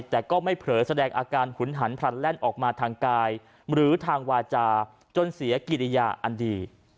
แต่ก็ไม่เผลอแสดงอาการหุนหันพลันแล่นออกมาทางกายหรือทางวาจาจนเสียกิริยาอันดี